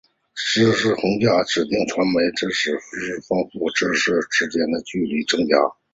知识鸿沟假设指传播媒体使知识丰富和知识缺乏间的距离增加。